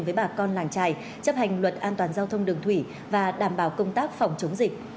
với bà con làng trài chấp hành luật an toàn giao thông đường thủy và đảm bảo công tác phòng chống dịch